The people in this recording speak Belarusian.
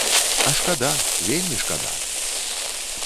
А шкада, вельмі шкада!